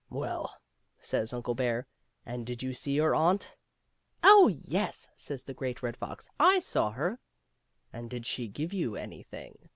" Well," says Uncle Bear, " and did you see your aunt?" " Oh, yes," says the Great Red Fox, " I saw her." " And did she give you anything?"